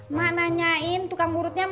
emak nanyain tukang urutnya mana